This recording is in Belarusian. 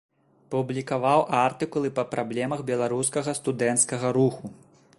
Публікаваў артыкулы па праблемах беларускага студэнцкага руху.